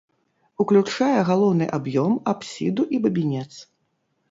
Уключае галоўны аб'ём, апсіду і бабінец.